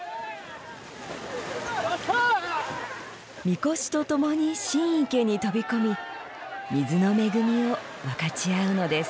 神輿と共に新池に飛び込み水の恵みを分かち合うのです。